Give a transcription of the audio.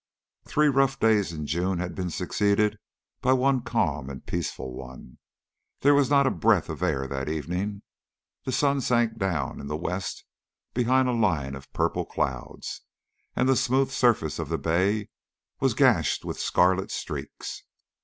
Three rough days in June had been succeeded by one calm and peaceful one. There was not a breath of air that evening. The sun sank down in the west behind a line of purple clouds, and the smooth surface of the bay was gashed with scarlet streaks.